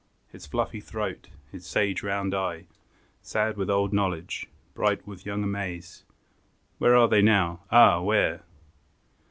His fluffy throat, His sage round eye, Sad with old knowledge, bright with young amaze, Where are they now? ah! where?